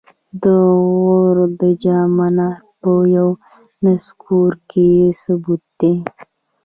د غور د جام منار په یونسکو کې ثبت دی